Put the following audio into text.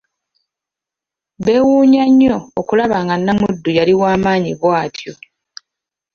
Beewunya nnyo okulaba nga Namuddu yali wamaanyi bwatyo.